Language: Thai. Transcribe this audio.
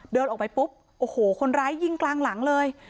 เดินออกไปปุ๊บโอ้โหคนร้ายยิงกลางหลังเลย